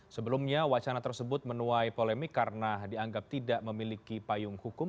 sebelumnya wacana tersebut menuai polemik karena dianggap tidak memiliki payung hukum